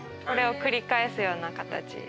これを繰り返すような形。